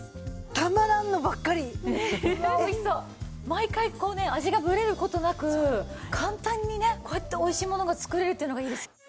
毎回こうね味がブレる事なく簡単にねこうやっておいしいものが作れるっていうのがいいです。